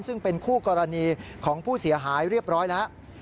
ซึ่งเป็นคู่กรณีของผู้เสียหายเรียบร้อยแล้ว